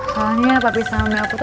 soalnya papi sama aku tuh